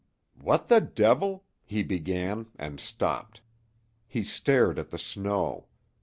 "What the devil " he began, and stopped. He stared at the snow.